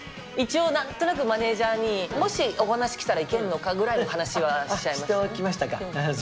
一応何となくマネージャーに「もしお話来たらいけんのか？」ぐらいの話はしちゃいましたね。